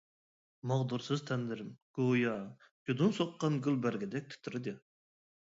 ماغدۇرسىز تەنلىرىم گويا جۇدۇن سوققان گۈل بەرگىدەك تىترىدى.